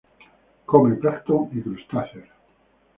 Come plancton y crustáceos.